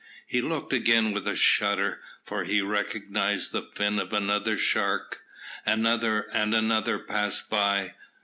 He looked again with a shudder, for he recognised the fin of a shark. Another and another passed by.